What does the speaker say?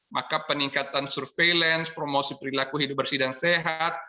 maka peningkatan surveillance promosi perilaku hidup bersih dan sehat